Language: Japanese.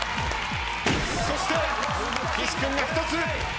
そして岸君が１つ。